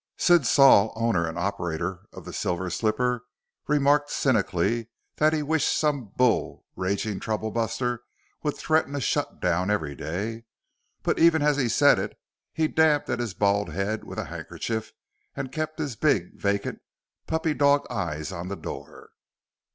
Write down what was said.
Sid Saul, owner and operator of the Silver Slipper, remarked cynically that he wished some bull ragging troublebuster would threaten a shut down every day. But even as he said it, he dabbed at his bald head with a handkerchief and kept his big, vacant, puppy dog eyes on the door.